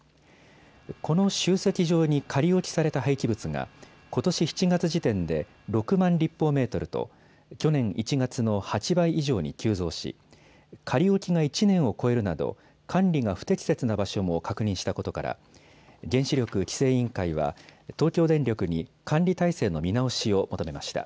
この集積場に仮置きされた廃棄物が、ことし７月時点で６万立方メートルと、去年１月の８倍以上に急増し、仮置きが１年を超えるなど、管理が不適切な場所も確認したことから、原子力規制委員会は、東京電力に管理態勢の見直しを求めました。